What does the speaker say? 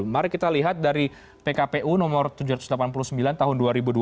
mari kita lihat dari pkpu nomor tujuh ratus delapan puluh sembilan tahun dua ribu dua puluh